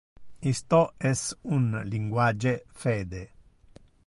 Isto es un linguage fede.